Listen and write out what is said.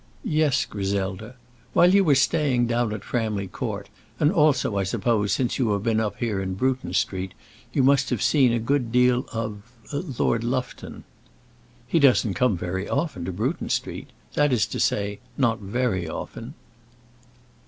"Yes, Griselda. While you were staying down at Framley Court, and also, I suppose, since you have been up here in Bruton Street, you must have seen a good deal of Lord Lufton." "He doesn't come very often to Bruton Street, that is to say, not very often."